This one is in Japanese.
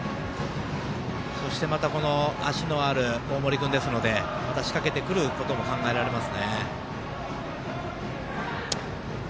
そして、また足のある大森君ですので、また仕掛けてくることも考えられますね。